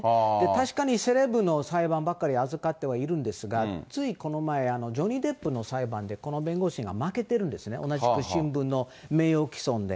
確かに、セレブの裁判ばっかり預かってはいるんですが、ついこの前、ジョニー・デップの裁判でこの弁護士が負けてるんですね、同じく新聞の名誉毀損で。